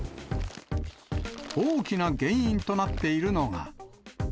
大きな原因となっているのが。